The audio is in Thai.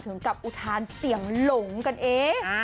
ถึงกับอุทานเสียงหลงกันเอง